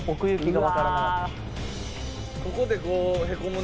「ここでこうへこむな」